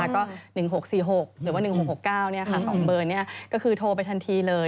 ก็๑๖๔๖หรือว่า๑๖๖๙๒เบอร์นี้ก็คือโทรไปทันทีเลย